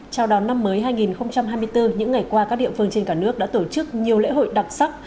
chào đón năm mới hai nghìn hai mươi bốn những ngày qua các địa phương trên cả nước đã tổ chức nhiều lễ hội đặc sắc